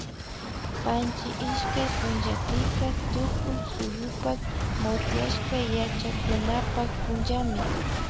Panchi ishkay punllapika Tukuy suyupak motiashka sachakunapak punllami